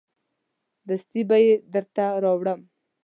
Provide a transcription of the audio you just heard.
دستي به یې درته راوړم.